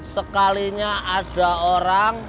sekalinya ada orang